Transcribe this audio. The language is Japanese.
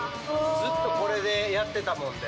ずっとこれでやってたもんで。